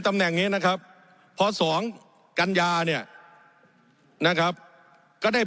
ตำแหน่งนี้นะครับพอสองกัญญาเนี่ยนะครับก็ได้